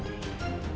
pintu rai rarasanta